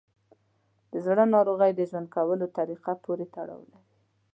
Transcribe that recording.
د زړه ناروغۍ د ژوند کولو طریقه پورې تړاو لري.